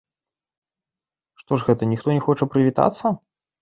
Што ж гэта ніхто не хоча прывітацца?